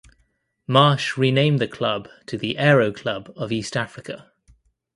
Marsh renamed the club to the Aero Club of East Africa.